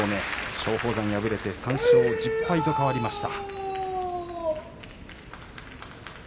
松鳳山は敗れて３勝１０敗と変わりました。